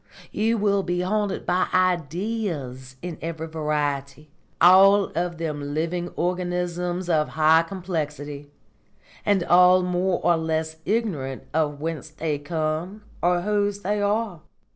You will be haunted by Ideas in every variety, all of them living organisms of high complexity, and all more or less ignorant of whence they come or whose they are.